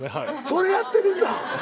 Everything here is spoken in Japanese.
それやってるんだ。